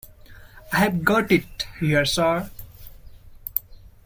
I have got it here, sir.